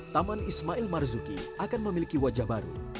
taman ismail marzuki akan memiliki wajah baru